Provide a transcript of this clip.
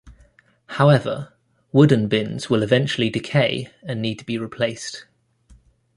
However, wooden bins will eventually decay and need to be replaced.